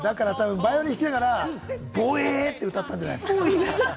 バイオリン弾きだから、ボエって、歌ったんじゃないですか？